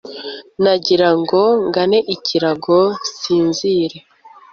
nagirango ngane ikirago nsinzire